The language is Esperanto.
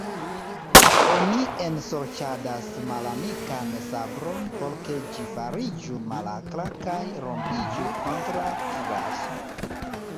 Oni ensorĉadas malamikan sabron, por ke ĝi fariĝu malakra kaj rompiĝu kontraŭ kiraso.